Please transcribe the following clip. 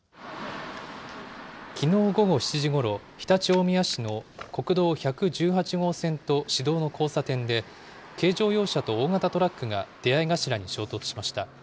きのう午後７時ごろ、常陸大宮市の国道１１８号線と市道の交差点で、軽乗用車と大型トラックが出会い頭に衝突しました。